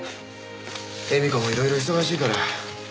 絵美子もいろいろ忙しいから。